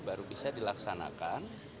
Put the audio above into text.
baru bisa dilaksanakan